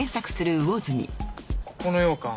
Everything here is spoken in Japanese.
ここのようかん